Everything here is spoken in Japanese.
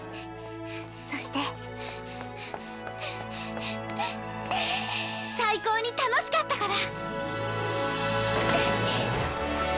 そして最高に楽しかったから！